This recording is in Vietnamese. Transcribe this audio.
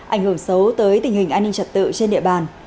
ảnh hưởng xấu tới tình hình an ninh trật tự trên địa bàn